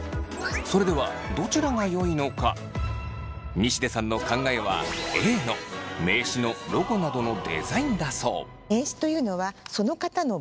西出さんの考えはＡの名刺のロゴなどのデザインだそう。